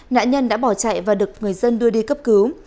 nạn nhân đã bỏ chạy và được người dân đưa đi cấp cứu